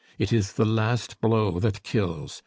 It is the last blow that kills.